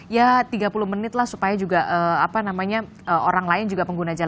ya tiga puluh menit lah supaya juga apa namanya orang lain juga pengguna jalan